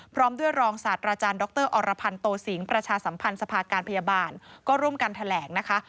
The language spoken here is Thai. พร้อมด้วยรองศาสตราจารย์ดรอรพันธ์โตสิงห์ประชาสัมพันธ์สภาการพยาบาลก็ร่วมกันแถลงนะคะ